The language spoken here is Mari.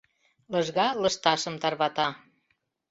Лыжга лышташым тарвата.